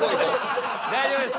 大丈夫です。